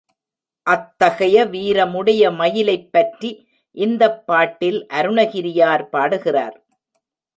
அத்தகைய வீரமுடைய மயிலைப் பற்றி இந்தப் பாட்டில் அருணகிரியார் பாடுகிறார்.